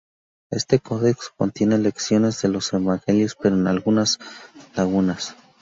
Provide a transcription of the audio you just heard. Este codex contienen lecciones de los evangelios, pero con algunas lagunas.